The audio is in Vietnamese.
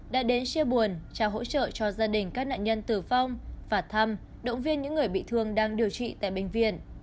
đã đến chia buồn trao hỗ trợ cho gia đình các nạn nhân tử vong và thăm động viên những người bị thương đang điều trị tại bệnh viện